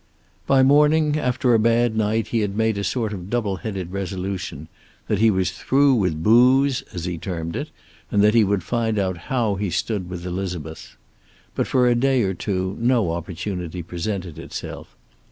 By morning, after a bad night, he had made a sort of double headed resolution, that he was through with booze, as he termed it, and that he would find out how he stood with Elizabeth. But for a day or two no opportunity presented itself.